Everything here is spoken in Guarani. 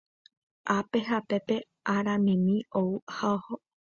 Ápe ha pépe araimimi ou ha oho.